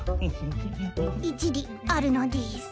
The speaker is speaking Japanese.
一理あるのでぃす。